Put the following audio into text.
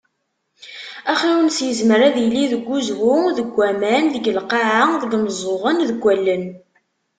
Axnunnes, yezmer ad yili deg uzwu, deg waman, deg lqaεa, deg yimeẓẓuɣen, deg wallen.